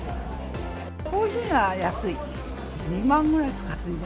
コーヒーが安い。